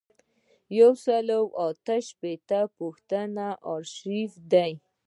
یو سل او اته شپیتمه پوښتنه آرشیف دی.